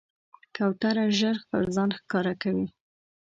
کوتره ژر خپل ځان ښکاره کوي.